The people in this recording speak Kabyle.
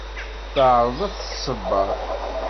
Teεreḍ ad t-tṣebber.